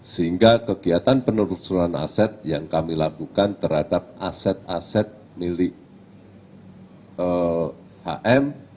sehingga kegiatan penelusuran aset yang kami lakukan terhadap aset aset milik hm